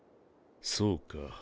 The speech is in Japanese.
そうか。